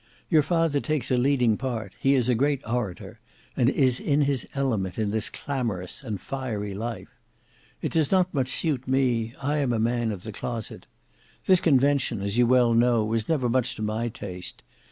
Your father takes a leading part; he is a great orator, and is in his element in this clamorous and fiery life. It does not much suit me; I am a man of the closet. This Convention, as you well know, was never much to my taste.